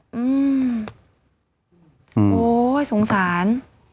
โห้ยสงสาร